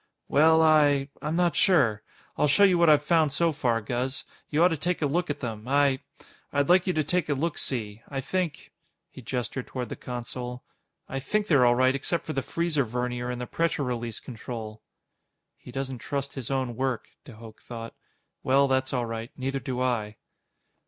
"Well, I ... I'm not sure. I'll show you what I've found so far, Guz. You ought to take a look at them. I ... I'd like you to take a look see. I think" he gestured toward the console "I think they're all right except for the freezer vernier and the pressure release control." He doesn't trust his own work, de Hooch thought. _Well, that's all right. Neither do I.